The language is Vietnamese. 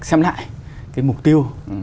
xem lại cái mục tiêu